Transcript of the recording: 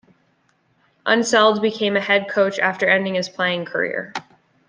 Unseld became a head coach after ending his playing career.